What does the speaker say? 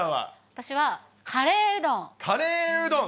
私は、カレーうどん。